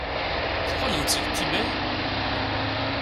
Tuɣalem-d seg Tibet?